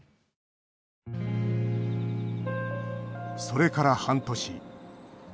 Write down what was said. それから半年。